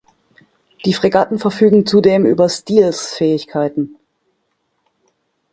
Die Fregatten verfügen zudem über Stealth-Fähigkeiten.